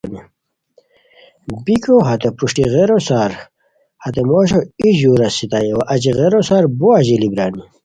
بیکو ہتے پروشٹی غیرو سار ہتے موشو ای ژور اسیتائے وا اچی غیرو سار بو اژیلی بیرانی